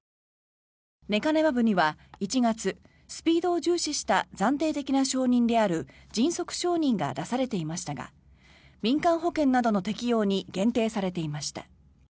レカネマブには１月スピードを重視した暫定的な承認である迅速承認が出されていましたが民間保険などの適用に限定されていました。